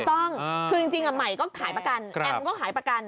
ถูกต้องคือจริงใหม่ก็ขายประกันแอมก็ขายประกัน